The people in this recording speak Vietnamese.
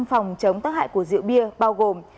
phòng chống tác hại của rượu bia bao gồm